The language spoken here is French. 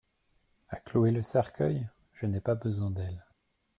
À clouer le cercueil ? Je n'ai pas besoin d'elles.